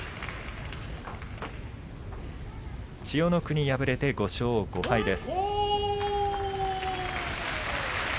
千代の国、敗れて５勝５敗です。